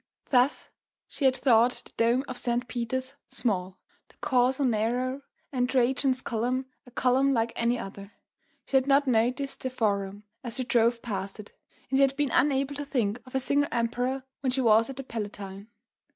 Thus she had thought the dome of St. Peter's small, the Corso narrow and Trajan's Column a column like any other; she had not noticed the Forum as she drove past it; and she had been unable to think of a single emperor when she was at the Palatine.